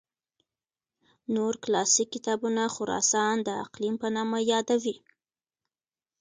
نور کلاسیک کتابونه خراسان د اقلیم په نامه یادوي.